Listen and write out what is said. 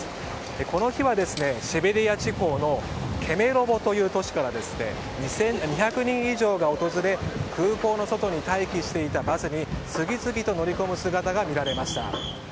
この日は、シベリア地方のケメロボという都市から２００人以上が訪れ空港の外に待機していたバスに次々と乗り込む姿が見られました。